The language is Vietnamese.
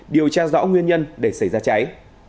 điều tra rõ nguyên nhân để xảy ra cháy